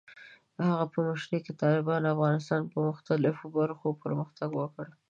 د هغه په مشرۍ کې، طالبانو د افغانستان په مختلفو برخو کې پرمختګ وکړ.